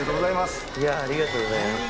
ありがとうございます。